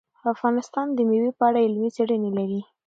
افغانستان د مېوې په اړه علمي څېړنې لري.